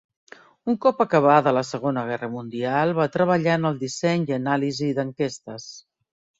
Un cop acabada la segona guerra mundial va treballar en el disseny i anàlisi d’enquestes.